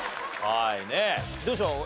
はいねえどうでしょう？